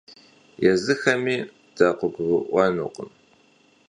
Езыхэми дакъыгурыӏуэнукъым.